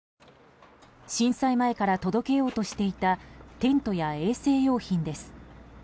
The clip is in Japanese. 震災前から届けようとしていたテントや衛生用品です。